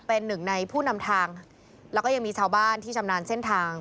เป็นหนึ่งในผู้นำทางแล้วก็ยังมีชาวบ้านที่ชำนาญเส้นทาง